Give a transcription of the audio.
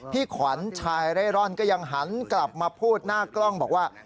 ขวัญชายเร่ร่อนก็ยังหันกลับมาพูดหน้ากล้องบอกว่า